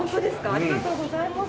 ありがとうございます。